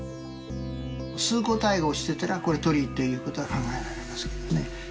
数個単位落ちてたら、これ、鳥っていうことは考えられますけどね。